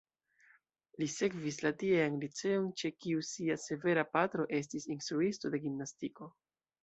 Li sekvis la tiean liceon, ĉe kiu sia severa patro estis instruisto de gimnastiko.